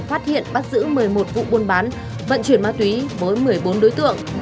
phát hiện bắt giữ một mươi một vụ buôn bán vận chuyển ma túy với một mươi bốn đối tượng